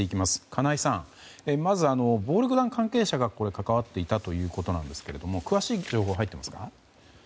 金井さん、まず暴力団関係者が関わっていたということですが詳しい情報入っていますか？